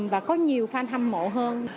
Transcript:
và có nhiều fan hâm mộ hơn